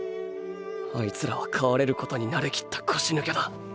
アイツらは飼われることに慣れきった腰抜けだ！